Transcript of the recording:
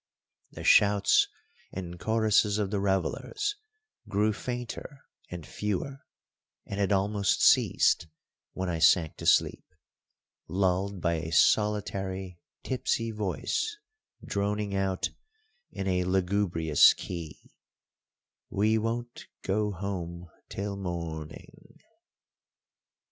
The shouts and choruses of the revellers grew fainter and fewer, and had almost ceased when I sank to sleep, lulled by a solitary tipsy voice droning out in a lugubrious key: We won't go home till morning.